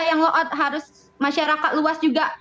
yang law out harus masyarakat luas juga